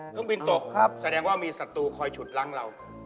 เครื่องบินตกแสดงว่ามีศัตรูคอยฉุดล้างเรา